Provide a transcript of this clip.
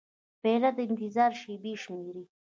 پیاله د انتظار شېبې شمېري.